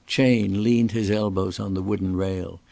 Chayne leaned his elbows on the wooden rail.